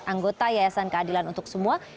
anggota yayasan keadilan untuk semua